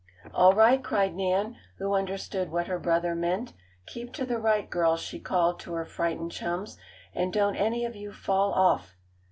"All right!" cried Nan, who understood what her brother meant. "Keep to the right, girls," she called to her frightened chums, "and don't any of you fall off!"